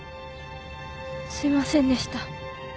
すいませんでした。